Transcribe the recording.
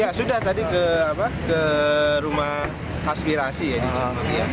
ya sudah tadi ke rumah aspirasi di cutmutia